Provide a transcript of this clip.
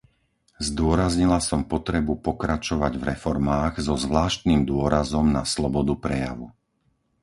Zdôraznila som potrebu pokračovať v reformách, so zvláštnym dôrazom na slobodu prejavu.